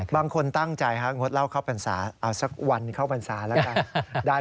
บางคนตั้งใจงดเหล้าเข้าพรรษาเอาสักวันเข้าพรรษาแล้วกัน